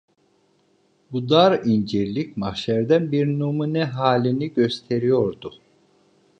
Bu dar incirlik mahşerden bir numune halini gösteriyordu.